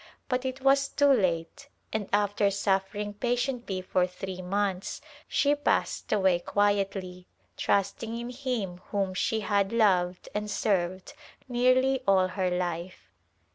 But it was too late, and after suffering patiently for three months she passed away quietly, trusting in Him whom she had loved and served nearly all her life.